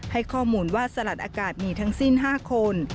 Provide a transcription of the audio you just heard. ให้ข้อมูลว่าสลัดอากาศมีทั้งสิ้น๕คน